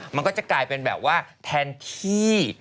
มันก็จะกลายเป็นแบบว่าแทนพี่